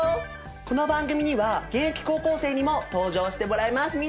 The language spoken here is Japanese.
この番組には現役高校生にも登場してもらいます！